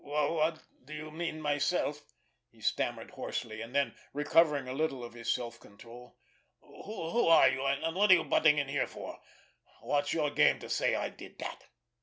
"What do you mean—myself?" he stammered hoarsely. And then, recovering a little of his self control: "Who are you? And what are you butting in here for? What's your game to say I did that?"